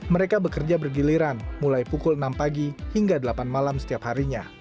mereka bekerja bergiliran mulai pukul enam pagi hingga delapan malam setiap harinya